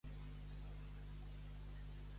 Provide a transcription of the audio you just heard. Als homes enganyaràs, que a Déu no pas.